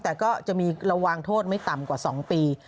แต่ก็จะมีระวังโทษไม่ต่ำกว่า๒ปี